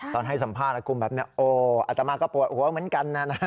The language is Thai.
ตอนให้สัมภาษณ์กลุ่มแบบนี้โอ้อัตมาก็ปวดหัวเหมือนกันนะ